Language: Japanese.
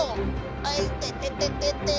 あ痛ててててっ！